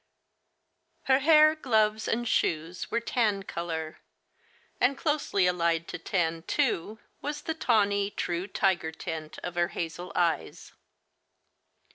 ^ Her hair, gloves, and shoes were tan color, and closely allied to tan, too, was the tawny, true tiger tint of her hazel eyes.